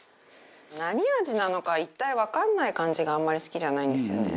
何味なのか一体わかんない感じがあんまり好きじゃないんですよね。